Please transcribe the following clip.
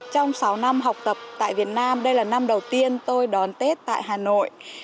trong sáu năm học tập tại việt nam đây là năm đầu tiên tôi đón tết tại hà nội